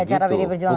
di acara pd perjuangan